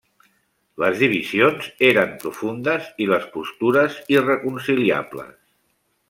Les divisions eren profundes i les postures irreconciliables.